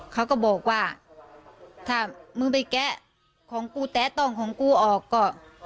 เขาก็บอกว่าถ้ามึงไปแกะของกูแตะต้องของกูออกก็